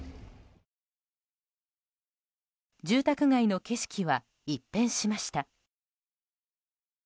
住宅街の景色は一変しました。